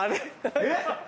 えっ？